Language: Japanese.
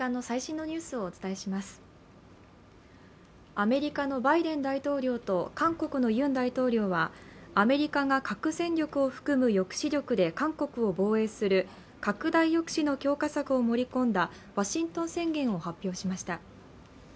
アメリカのバイデン大統領と韓国のユン大統領は、アメリカが核戦力を含む抑止力で韓国を防衛する拡大抑止の強化策を盛り込んだワシントン宣言を発表しました。